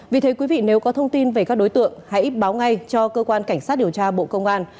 vì thế quý vị nếu có thông tin về các đối tượng hãy báo ngay cho cơ quan cảnh sát điều tra bộ công an